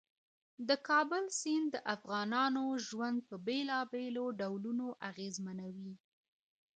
د کابل سیند د افغانانو ژوند په بېلابېلو ډولونو اغېزمنوي.